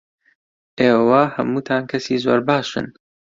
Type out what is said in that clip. ئێوە هەمووتان کەسی زۆر باشن.